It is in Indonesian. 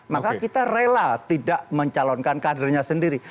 maka kita rela tidak mencalonkan kadernya sendiri